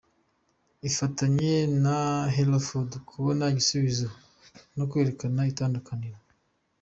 Ifatanye na hellofood kubona igisubizo no kwerekana itandukaniro.